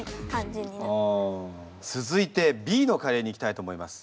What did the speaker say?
続いてＢのカレーにいきたいと思います。